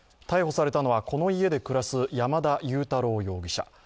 逮捕されたのはこの家で暮らすヤマダユウタロウ容疑者。